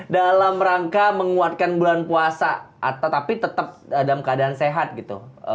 dalam rangka menguatkan bulan puasa tetapi tetap dalam keadaan sehat gitu